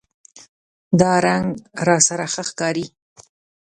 دا رنګ راسره ښه ښکاری